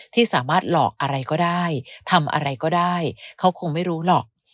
ที่สามารถหลอกอะไรก็ได้ทำอะไรก็ได้เขาคงไม่รู้หรอก